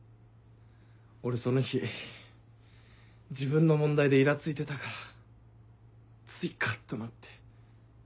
俺その日自分の問題でイラついてたからついカッとなって。